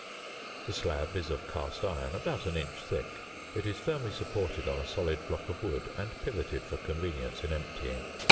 The slab is of cast iron, about an inch thick. It is firmly supported on a solid block of wood, and pivoted for convenience in emptying.